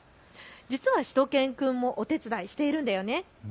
実はしゅと犬くんもお手伝いしているんだよね。